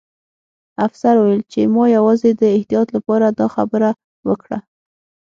افسر وویل چې ما یوازې د احتیاط لپاره دا خبره وکړه